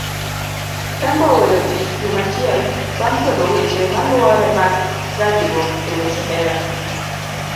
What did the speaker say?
Kembo oweyo tich juma achiel bang kwedo weche maluore mag gajruok eweche hera.